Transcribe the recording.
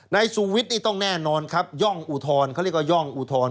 นายสุวิทย์นี่ต้องแน่นอนครับย่องอุทธรณ์เขาเรียกว่าย่องอุทธรณ์